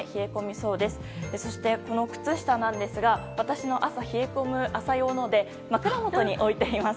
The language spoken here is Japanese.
そして、靴下なんですが私の朝、冷え込む朝用ので枕元に置いています。